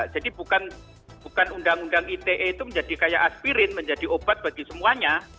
jadi bukan undang undang ite itu menjadi kayak aspirin menjadi obat bagi semuanya